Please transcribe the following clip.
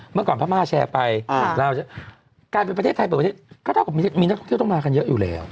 เมื่อก่อนพม่าแชร์ไปลาวกลายเป็นประเทศไทยเปิดประเทศก็เท่ากับมีนักท่องเที่ยวต้องมากันเยอะอยู่แล้ว